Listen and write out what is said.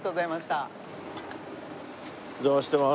お邪魔してます。